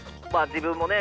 自分もね